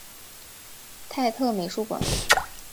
泰特美术馆。